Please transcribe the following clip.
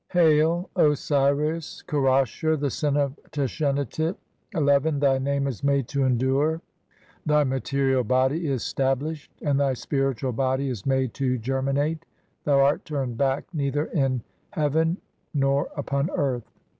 "[Hail] Osiris Kerasher, the son of Tashenatit, "(11) thy name is made to endure, thy material "body is stablished, and thy spiritual body is made "to germinate ; thou art turned back neither in hea "ven nor upon earth.